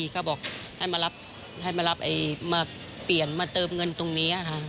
เขาบอกให้มารับมาเปลี่ยนมาเติมเงินตรงนี้